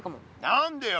何でよ？